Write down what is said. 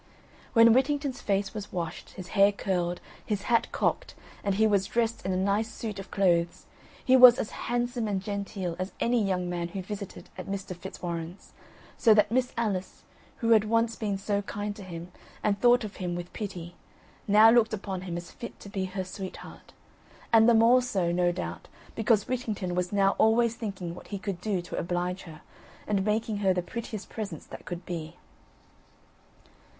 When Whittington's face was washed, his hair curled, his hat cocked, and he was dressed in a nice suit of clothes he was as handsome and genteel as any young man who visited at Mr. Fitzwarren's; so that Miss Alice, who had once been so kind to him, and thought of him with pity, now looked upon him as fit to be her sweetheart; and the more so, no doubt, because Whittington was now always thinking what he could do to oblige her, and making her the prettiest presents that could be.